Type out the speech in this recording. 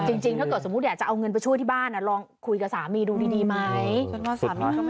จริงถ้าเกิดสมมุติอยากจะเอาเงินไปช่วยที่บ้านลองคุยกับสามีดูดีไหม